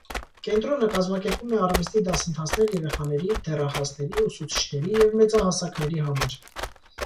Կենտրոնը կազմակերպում է արվեստի դասընթացներ երեխաների, դեռահասների, ուսուցիչների և մեծահասակների համար։